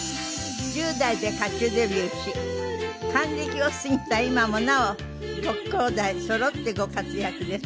１０代で歌手デビューし還暦を過ぎた今もなおごきょうだいそろってご活躍です。